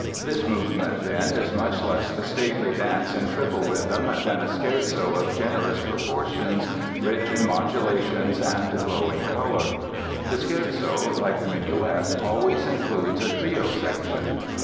This movement, then, is much less the stately dance in triple rhythm than a scherzo of generous proportions, rich in modulations and glowing color. The scherzo, like the minuet, always includes a trio section.